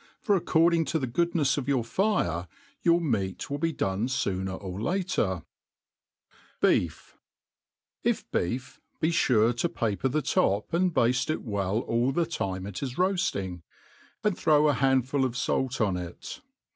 j for according to tfie goodncft )t>f your fire, your meat will 6c done fooner or later* B E E Fi IF^ beef, ht {urt to paper the top, and bafte it well all the . time it is roafting, and throw a handful of fait on it.